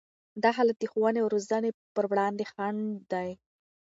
دا حالت د ښوونې او روزنې پر وړاندې خنډ دی.